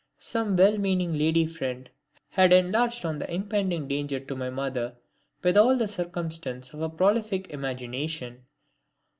Some well meaning lady friend had enlarged on the impending danger to my mother with all the circumstance of a prolific imagination.